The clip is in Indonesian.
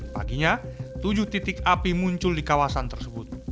paginya tujuh titik api muncul di kawasan tersebut